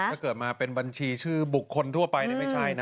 ถ้าเกิดมาเป็นบัญชีชื่อบุคคลทั่วไปไม่ใช่นะ